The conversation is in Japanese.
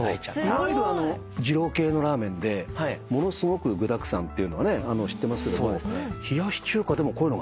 いわゆる二郎系のラーメンでものすごく具だくさんっていうのは知ってますけども冷やし中華でもこういうのがあるんだ。